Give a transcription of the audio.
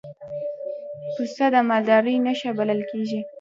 پسه د مالدارۍ نښه بلل کېږي.